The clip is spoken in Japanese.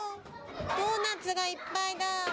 ドーナツがいっぱいだ。